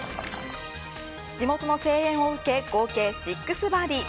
地元の声援を受け合計６バーディー。